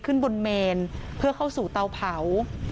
ขึ้นบนเมนเพื่อเข้าสู่เตาเผา